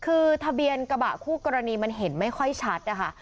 คือทะเบียนกระบะคู่กรณีมันเห็นไม่ค่อยชัดนะคะ